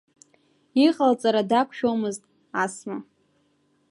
Иҟалҵара дақәшәомызт Асма.